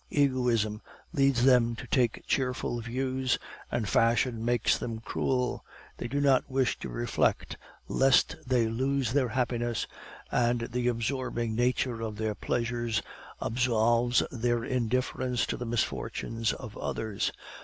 Egoism leads them to take cheerful views, and fashion makes them cruel; they do not wish to reflect, lest they lose their happiness, and the absorbing nature of their pleasures absolves their indifference to the misfortunes of others.